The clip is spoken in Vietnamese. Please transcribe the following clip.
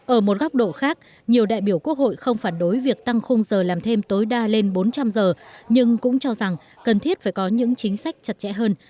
ở một góc độ khác nhiều đại biểu quốc hội không phản đối việc tăng khung giờ làm thêm tối đa lên bốn trăm linh giờ nhưng cũng cho rằng cần thiết phải có những chính sách chặt chẽ hơn